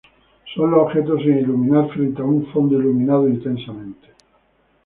Son los objetos sin iluminar frente a un fondo iluminado intensamente.